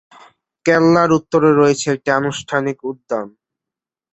কেল্লার উত্তরে রয়েছে একটি আনুষ্ঠানিক উদ্যান।